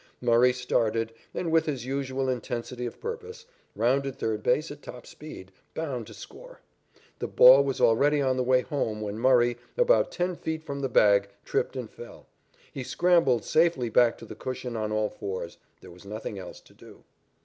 Murray started, and, with his usual intensity of purpose, rounded third base at top speed, bound to score. The ball was already on the way home when Murray, about ten feet from the bag, tripped and fell. He scrambled safely back to the cushion on all fours. There was nothing else to do.